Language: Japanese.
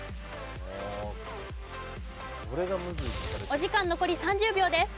お時間残り３０秒です。